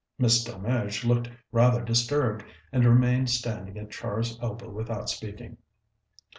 Miss Delmege looked rather disturbed, and remained standing at Char's elbow without speaking.